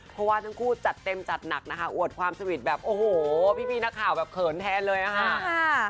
เพราะว่าทั้งคู่จัดเต็มจัดหนักนะคะอวดความสวิตช์แบบโอ้โหพี่นักข่าวแบบเขินแทนเลยอะค่ะ